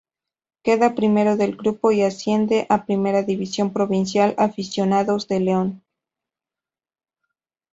Queda primero del grupo y asciende a Primera División Provincial Aficionados de León.